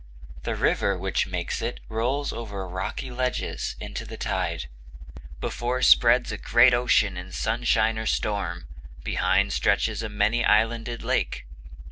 The river which makes it rolls over rocky ledges into the tide. Before spreads a great ocean in sunshine or storm; behind stretches a many islanded lake.